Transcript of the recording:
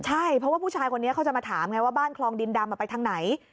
ใช่เพราะว่าผู้ชายคนนี้เขาจะมาถามไงว่าบ้านคลองดินดำไปทางไหน